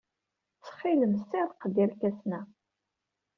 Ttxil-m, ssirreq-d irkasen-a.